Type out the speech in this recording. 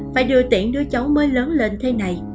phải đưa tiễn đứa cháu mới lớn lên thế này